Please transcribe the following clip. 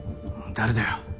誰だよ？